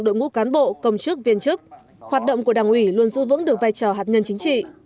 đội ngũ cán bộ công chức viên chức hoạt động của đảng ủy luôn giữ vững được vai trò hạt nhân chính trị